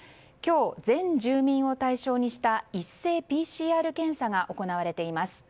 今日、全住民を対象にした一斉ＰＣＲ検査が行われています。